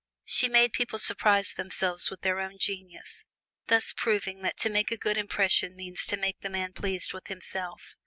She made people surprise themselves with their own genius; thus proving that to make a good impression means to make the man pleased with himself.